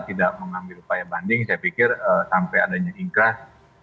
tidak mengambil upaya banding saya pikir sampai adanya ingkrah